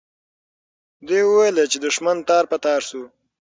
دوی وویل چې دښمن تار په تار سو.